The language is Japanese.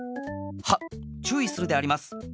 はっちゅういするであります。